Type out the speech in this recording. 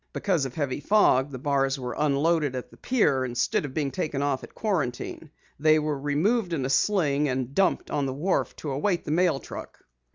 Because of heavy fog the bars were unloaded at the pier instead of being taken off at Quarantine. They were removed in a sling and dumped on the wharf to await the mail truck."